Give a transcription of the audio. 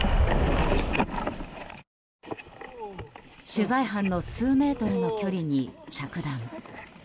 取材班の数メートルの距離に着弾。